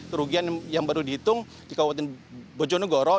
kerugian yang baru dihitung di kabupaten bojonegoro